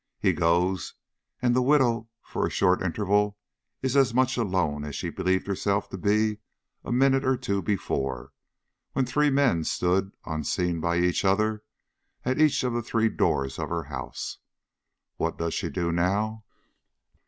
He goes, and the widow for a short interval is as much alone as she believed herself to be a minute or two before when three men stood, unseen by each other, at each of the three doors of her house. What does she do now?